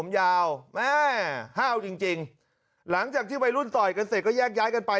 ห้าวจริงหลังจากที่วัยรุ่นต่อยกันเสร็จก็แยกย้าไป